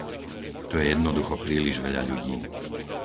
To je jednoducho príliš veľa ľudí.